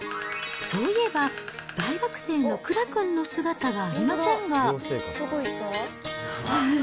そういえば、大学生のクラ君の姿がありませんが。